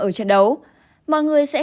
ở trận đấu mọi người sẽ